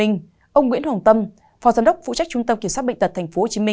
ông nguyễn hồng tâm phó giám đốc phụ trách trung tâm kiểm soát bệnh tật tp hcm